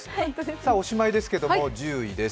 おしまいですけども、１０位です。